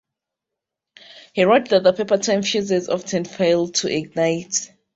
He wrote that the paper time fuses often failed to ignite.